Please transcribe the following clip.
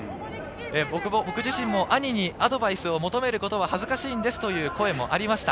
僕自身も兄にアドバイスを求めることは恥ずかしいんですという声もありました。